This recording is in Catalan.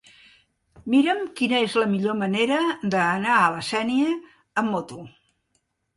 Mira'm quina és la millor manera d'anar a la Sénia amb moto.